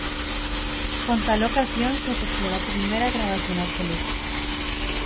Con tal ocasión se efectuó la primera grabación absoluta.